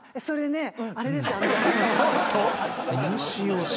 それでねあれですよ。